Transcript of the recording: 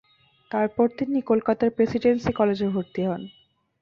তারপর তিনি কলকাতার প্রেসিডেন্সি কলেজে ভর্তি হন।